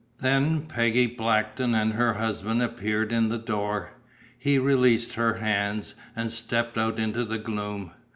Then Peggy Blackton and her husband appeared in the door. He released her hands, and stepped out into the gloom.